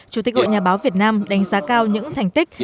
chủ tịch hội nhà báo việt nam đánh giá cao những thành tích